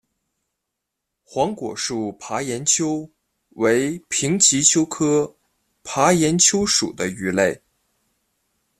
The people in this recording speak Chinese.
黄果树爬岩鳅为平鳍鳅科爬岩鳅属的鱼类。